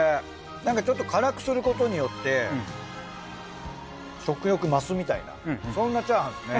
なんかちょっと辛くすることによって食欲増すみたいなそんなチャーハンですね。